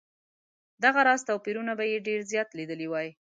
دغه راز توپیرونه به یې ډېر زیات لیدلي وای.